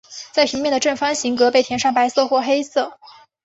在平面上的正方形格被填上黑色或白色。